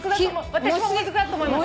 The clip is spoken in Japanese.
私ももずくだと思います。